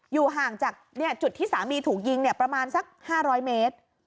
อยู่ห่างจากจุดที่สามีถูกยิงประมาณสัก๕๐๐เมตร